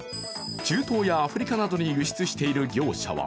中東やアフリカなどに輸出している業者は